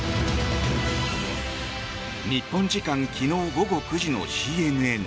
日本時間昨日午後９時のＣＮＮ。